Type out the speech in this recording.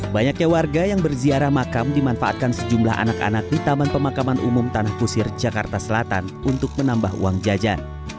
banyaknya warga yang berziarah makam dimanfaatkan sejumlah anak anak di taman pemakaman umum tanah kusir jakarta selatan untuk menambah uang jajan